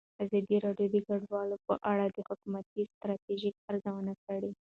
ازادي راډیو د کډوال په اړه د حکومتي ستراتیژۍ ارزونه کړې.